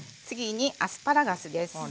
次にアスパラガスです。